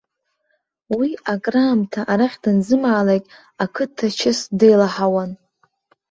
Уи акраамҭа арахь данзымаалак, ақыҭа чыс деилаҳауан.